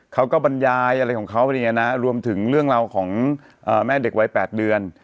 เขาก็บรรยายอะไรของเขารวมถึงเรื่องของแม่เด็กวัย๘เดือน